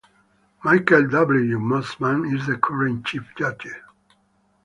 Michael W. Mosman is the current chief judge.